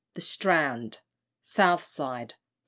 THE STRAND (SOUTH SIDE).